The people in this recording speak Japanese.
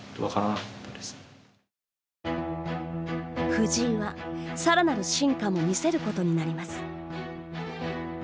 藤井は、さらなる進化も見せることになります。